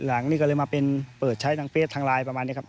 หลังนี้เลยมาเปิดใช้ทางเฟศทางลายประมาณนี้ครับ